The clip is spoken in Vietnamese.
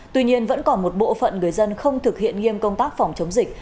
tuy nhiên vẫn còn một bộ phận người dân không thực hiện nghiêm công tác phòng chống dịch